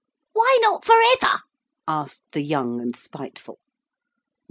'Why not for ever?' asked the young and spiteful.